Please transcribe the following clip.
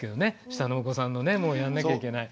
下のお子さんのもやんなきゃいけない。